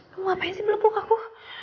kamu ngapain sih belok belok aku